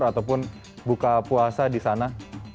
ataupun buka puasa di sana